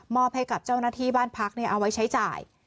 ให้กับเจ้าหน้าที่บ้านพักเอาไว้ใช้จ่าย